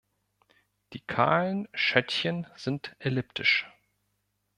Die kahlen Schötchen sind elliptisch.